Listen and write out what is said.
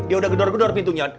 dia udah gedor gedor pintunya